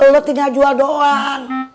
lo tanya jual doang